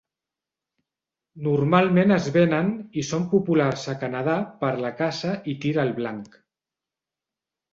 Normalment es venen i són populars a Canadà per la caça i tir al blanc.